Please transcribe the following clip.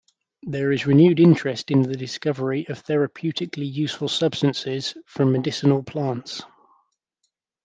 There is renewed interest in the discovery of therapeutically useful substances from medicinal plants.